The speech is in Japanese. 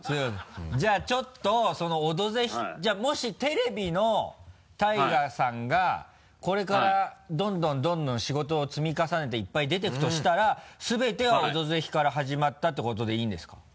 じゃあちょっとその「オドぜひ」じゃあもしテレビのＴＡＩＧＡさんがこれからどんどんどんどん仕事を積み重ねていっぱい出ていくとしたら全ては「オドぜひ」から始まったてことでいいんですか？